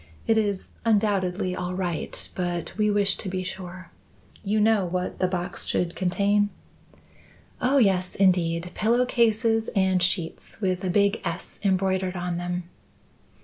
It is undoubtedly all right, but we wish to be sure. You know what the box should contain?" "Oh, yes, indeed; pillow cases and sheets, with a big S embroidered on them."